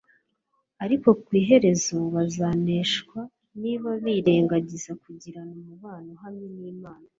ariko ku iherezo bazaneshwa niba birengagiza kugirana umubano uhamye n'Imana,